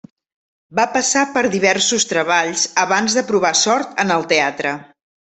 Va passar per diversos treballs abans de provar sort en el teatre.